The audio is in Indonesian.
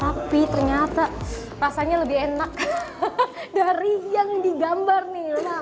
tapi ternyata rasanya lebih enak dari yang digambar nih